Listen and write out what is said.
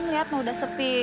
lihat udah sepi